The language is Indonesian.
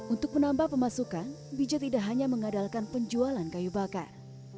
untuk menambah pemasukan bija tidak hanya mengadalkan penjualan kayu bakar